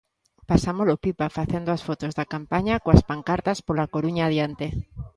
Pasámolo pipa facendo as fotos da campaña coas pancartas pola Coruña adiante.